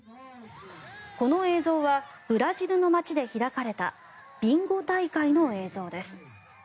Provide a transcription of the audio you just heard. この映像はブラジルの街で開かれたビンゴ大会の映像です。